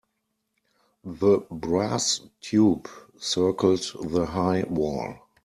The brass tube circled the high wall.